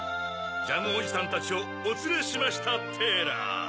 ジャムおじさんたちをおつれしましたテラ。